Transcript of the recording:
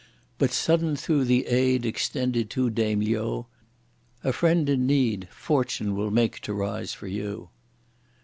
But sudden through the aid extended to Dame Liu, A friend in need fortune will make to rise for you.